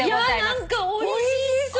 おいしそう！